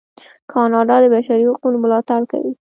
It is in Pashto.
کاناډا د بشري حقونو ملاتړ کوي.